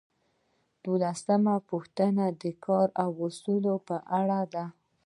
دولسمه پوښتنه د کاري اصولو په اړه ده.